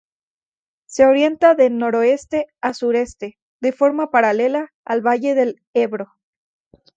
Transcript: Se orienta de noroeste a sureste, de forma paralela al valle del Ebro.